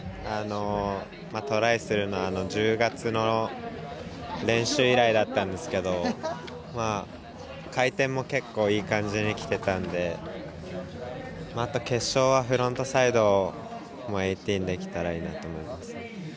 トライするのは１０月の練習以来だったんですけど回転も結構いい感じにきてたんでまた決勝はフロントサイドの１８００できたらいいなと思います。